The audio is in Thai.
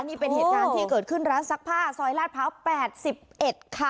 นี่เป็นเหตุการณ์ที่เกิดขึ้นร้านซักผ้าซอยลาดพร้าว๘๑ค่ะ